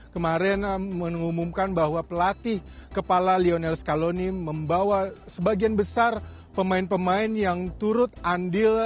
kemarin mengumumkan bahwa pelatih kepala lionel scaloni membawa sebagian besar pemain pemain yang turut andil